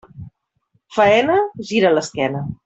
Faena?, gira l'esquena.